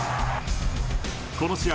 この試合